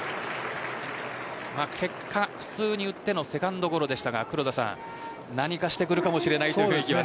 結果、普通に打ってのセカンドゴロでしたが何かしてくるかもしれないという雰囲気は。